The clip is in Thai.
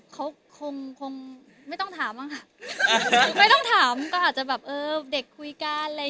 เขาคงคงไม่ต้องถามบ้างค่ะไม่ต้องถามก็อาจจะแบบเออเด็กคุยกันอะไร